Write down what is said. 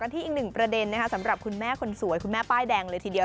ที่อีกหนึ่งประเด็นสำหรับคุณแม่คนสวยคุณแม่ป้ายแดงเลยทีเดียว